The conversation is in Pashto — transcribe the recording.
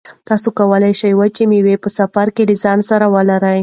تاسو کولای شئ چې وچې مېوې په سفر کې له ځان سره ولرئ.